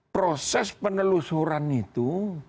proses penelusuran itu